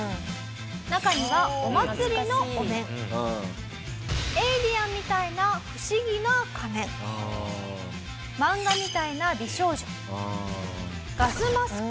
中にはお祭りのお面エイリアンみたいな不思議な仮面漫画みたいな美少女ガスマスク。